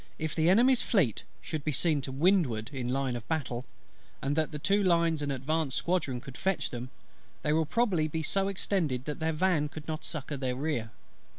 If the Enemy's Fleet should be seen to windward in line of battle, and that the two lines and advanced squadron could fetch them, they will probably be so extended that their van could not succour their rear.